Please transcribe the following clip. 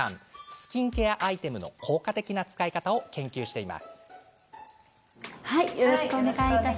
スキンケアアイテムの効果的な使い方を研究しています。